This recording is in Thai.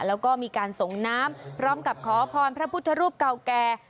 แล้วก็มีการส่งน้ำพร้อมกับขอพรพระพุทธรูปเก่าแก่